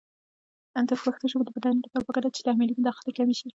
د پښتو ژبې د بډاینې لپاره پکار ده چې تحمیلي مداخلې کمې شي.